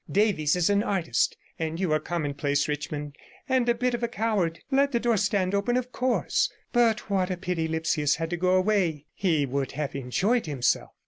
Davies is an artist, and you are commonplace, Richmond, and a bit of a coward. Let the door stand open, of course. But what a pity Lipsius had to go away! He would have enjoyed himself.'